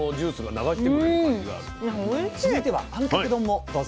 続いてはあんかけ丼もどうぞ。